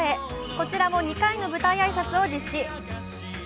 こちらも２回の舞台挨拶を実施。